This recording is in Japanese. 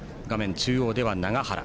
中央では、永原。